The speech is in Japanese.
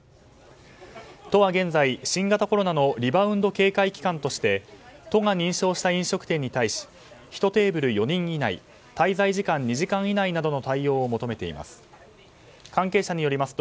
都は現在、新型コロナのリバウンド警戒期間として都が認証した飲食店に対し１テーブル４人以内滞在時間２時間以内などの対応を求めています。